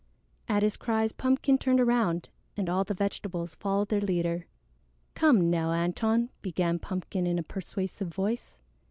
At his cries Pumpkin turned around, and all the vegetables followed their leader. "Come now, Antone," began Pumpkin in a persuasive voice.